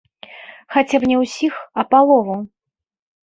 Хаця б не ўсіх, а палову.